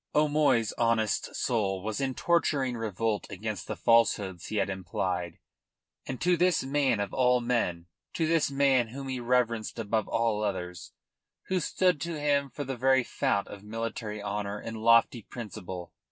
O'Moy's honest soul was in torturing revolt against the falsehoods he had implied and to this man of all men, to this man whom he reverenced above all others, who stood to him for the very fount of military honour and lofty principle!